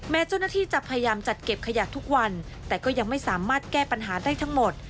เจ้าหน้าที่จะพยายามจัดเก็บขยะทุกวันแต่ก็ยังไม่สามารถแก้ปัญหาได้ทั้งหมด